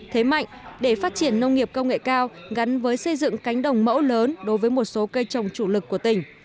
thế mạnh để phát triển nông nghiệp công nghệ cao gắn với xây dựng cánh đồng mẫu lớn đối với một số cây trồng chủ lực của tỉnh